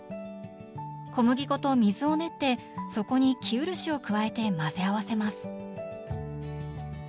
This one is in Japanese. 小麦粉と水を練ってそこに生漆を加えて混ぜ合わせます。